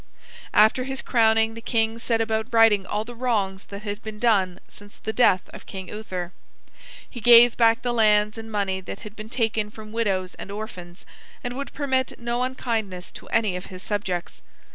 After his crowning the king set about righting all the wrongs that had been done since the death of King Uther. He gave back the lands and money that had been taken from widows and orphans, and would permit no unkindness to any of his subjects.